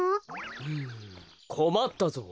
うんこまったぞう。